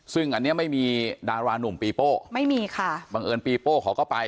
ซึ่งอันนี้ไม่มีดารานุ่มปีโป้ไม่มีค่ะบังเอิญปีโป้เขาก็ไป